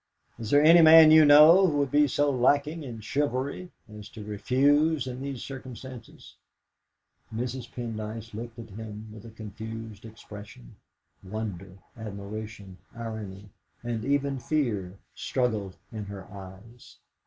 Is there any man you know who would be so lacking in chivalry as to refuse in these circumstances?" Mrs. Pendyce looked at him with a confused expression wonder, admiration, irony, and even fear, struggled in her eyes.